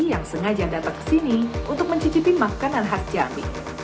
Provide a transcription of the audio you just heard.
yang sengaja datang ke sini untuk mencicipi makanan khas jambi